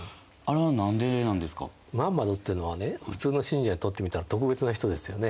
ムハンマドっていうのはね普通の信者にとってみたら特別な人ですよね。